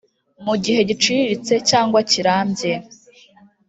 mu gihe giciriritse cyangwa kirambye